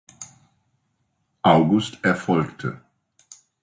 August erfolgte.